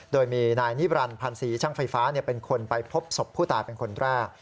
โดยมีนายนิบรันดิพันธ์ศรีช่างไฟฟ้าเป็นคนไปพบศพผู้ตายเป็นคนแรก